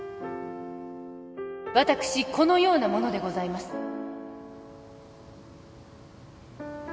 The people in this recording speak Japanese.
私このような者でございます